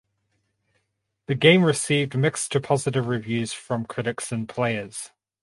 The game received mixed to positive reviews from critics and players.